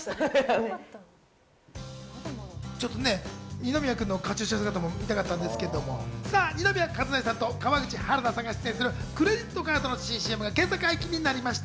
二宮くんのカチューシャ姿も見たかったんですけれども、二宮和也さんと川口春奈さんが出演するクレジットカードの新ＣＭが今朝、解禁になりました。